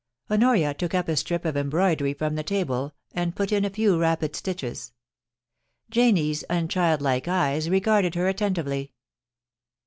Honoria took up a strip of embroidery from the table, and put in a few rapid stitches. Janie's unchildlike eyes regarded her attentively.